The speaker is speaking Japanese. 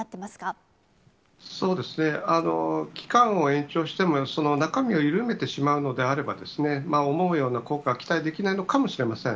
そうですね、期間を延長しても、中身を緩めてしまうのであれば、思うような効果は期待できないのかもしれません。